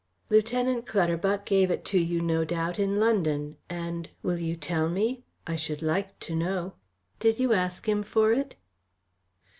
"Lieutenant Clutterbuck gave it to you no doubt in London, and will you tell me? I should like to know. Did you ask him for it?"